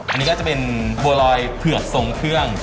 อันนี้ก็จะเป็นบัวลอยเผือกทรงเครื่อง